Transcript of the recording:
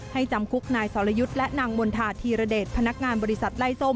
จำคุกนายสรยุทธ์และนางมณฑาธีรเดชพนักงานบริษัทไล่ส้ม